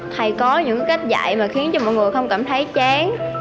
thầy có những cách dạy mà khiến cho mọi người không cảm thấy chán